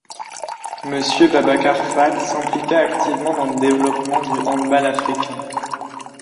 Monsieur Babacar Fall s'impliqua activement dans le développement du handball africain.